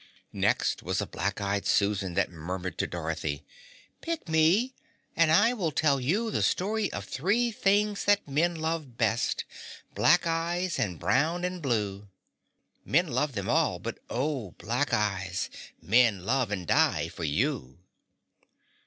Next was a Black Eyed Susan that murmured to Dorothy, "Pick me, and I will tell you the story of three things that men love best black eyes and brown and blue. Men love them all, but oh, black eyes men love and die for you!"